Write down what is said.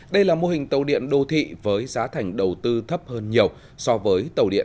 đây là mô hình tàu điện đô thị với giá thành đầu tư thấp hơn nhiều so với tàu điện